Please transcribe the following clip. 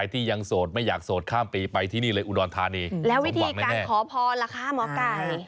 ที่การขอพรละคะหมอไก่